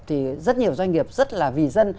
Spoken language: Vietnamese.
thì rất nhiều doanh nghiệp rất là vì dân